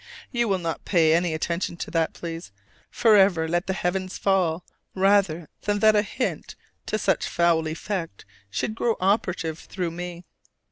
You will not pay any attention to that, please: forever let the heavens fall rather than that a hint to such foul effect should grow operative through me!